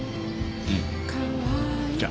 うんじゃ。